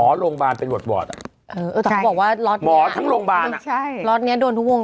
ถ้าคุณก็เป็นหนึ่งคนที่โดนโกง